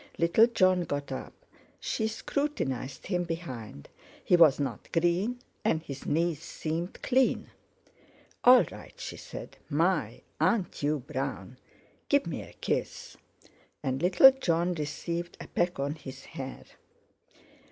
Little Jon got up. She scrutinized him behind; he was not green, and his knees seemed clean. "All right!" she said. "My! Aren't you brown? Give me a kiss!" And little Jon received a peck on his hair.